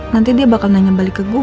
nanti dia bakal nanya balik ke gue